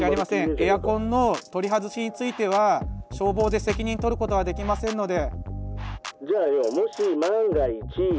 エアコンの取り外しについては消防で責任取ることはできませんので。